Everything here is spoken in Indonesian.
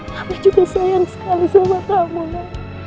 mama juga sayang sekali sama kamu ma